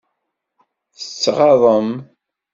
Tettɣaḍem.